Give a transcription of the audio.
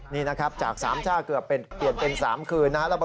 นี่นะครับอยู่ตรงนี้จากสามช่าเกือบเปลี่ยนเป็นสามคืนนะครับ